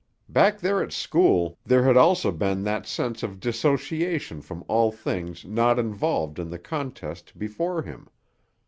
Back there at school there had also been that sense of dissociation from all things not involved in the contest before him.